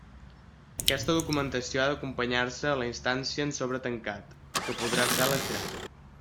Aquesta documentació ha d'acompanyar-se a la instància en sobre tancat, que podrà ser lacrat.